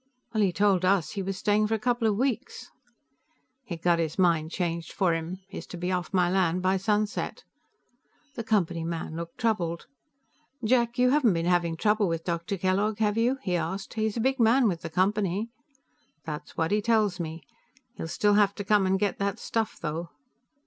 "Well, he told us he was staying for a couple of weeks." "He got his mind changed for him. He's to be off my land by sunset." The Company man looked troubled. "Jack, you haven't been having trouble with Dr. Kellogg, have you?" he asked. "He's a big man with the Company." "That's what he tells me. You'll still have to come and get that stuff, though."